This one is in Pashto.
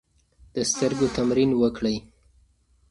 د سترګو تمرین وکړئ.